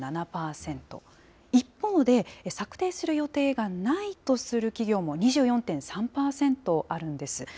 一方で、策定する予定がないとする企業も２４．３％あるんです。